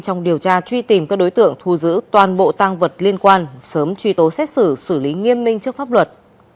trong điều tra truy tìm các đối tượng thu giữ toàn bộ tăng vật liên quan sớm truy tố xét xử xử lý nghiêm minh trước pháp luật